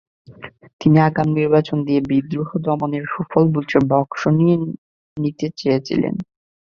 তিনি আগাম নির্বাচন দিয়ে বিদ্রোহ দমনের সুফল ভোটের বাক্সে নিতে চেয়েছিলেন।